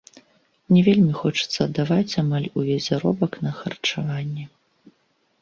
Не вельмі хочацца аддаваць амаль увесь заробак на харчаванне.